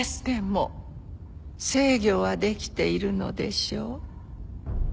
でも制御はできているのでしょう？